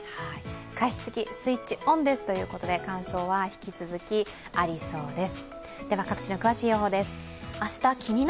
加湿器スイッチオンですということで乾燥は引き続き、ありそうです。